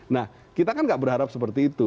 nah kita kan gak berharap seperti itu